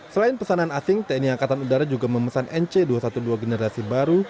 selain pesanan asing tni angkatan udara juga memesan nc dua ratus dua belas generasi baru